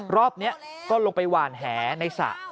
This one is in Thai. รอบนี้ก็ลงไปหวานแหในสระ